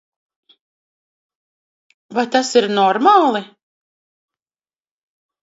Vai tas ir normāli?